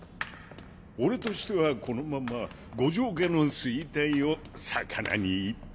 俺としてはこのまま五条家の衰退をさかなに一杯。